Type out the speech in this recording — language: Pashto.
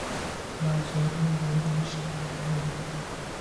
باز د غرونو له لیرې ښکار ویني